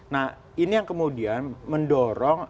nah ini yang kemudian mendorong